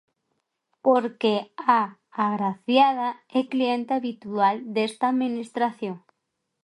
Porque a agraciada é clienta habitual desta administración.